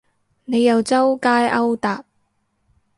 你又周街勾搭